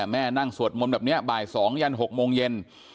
แม่นั่งสวดมนต์แบบนี้บ่าย๒ยัน๖โมงเย็น